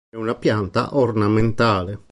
È una pianta ornamentale.